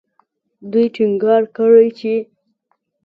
دوی ټینګار کړی چې